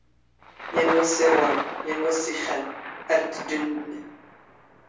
ⵢⴰⵏ ⵡⴰⵙⵙ ⵉⵕⵡⴰⵏ, ⵢⴰⵏ ⵡⴰⵙⵙ ⵉⵅⵅⴰⵏ, ⴰⵔ ⵜⵜⴷⴷⵓⵏ ⵎⴷⴷⵏ